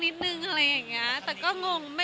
มีความสุขมากค่ะ